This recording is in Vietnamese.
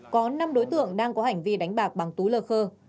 có năm đối tượng đang có hành vi đánh bạc bằng túi lơ khơ